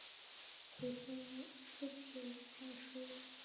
胡的父亲蔡叔度在三监之乱后被周公旦流放。